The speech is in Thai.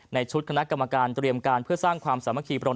ในชุดคณะกรรมการเตรียมการเพื่อสร้างความสามัคคีปรม